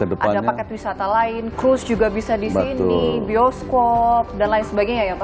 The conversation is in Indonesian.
ada paket wisata lain cruise juga bisa di sini bioskop dan lain sebagainya ya pak